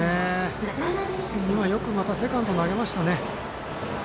今、よくまたセカンドに投げましたね。